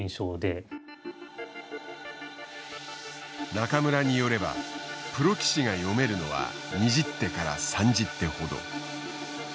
中村によればプロ棋士が読めるのは２０手から３０手ほど。